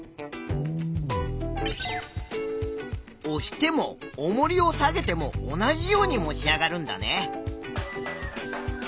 おしてもおもりを下げても同じように持ち上がるんだね。